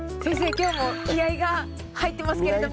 今日も気合いが入ってますけれども。